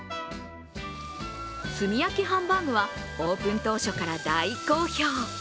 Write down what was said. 炭焼きハンバーグはオープン当初から大好評。